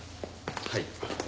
はい。